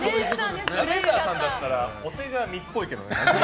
ラベンダーさんだったらお手紙っぽいけどね。